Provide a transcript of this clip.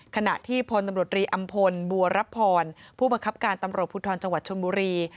ขณะที่พตรรีอำพลบัวรับพรผู้บังคับการตำรวจพจชนมุรี